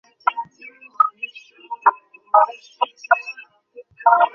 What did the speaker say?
তিনি আশা প্রকাশ করেন, বাংলাদেশের কত্থক নাচ একসময় বিশ্বজোড়া প্রশংসিত হবে।